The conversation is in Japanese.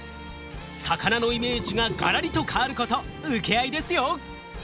魚のイメージがガラリと変わること請け合いですよ！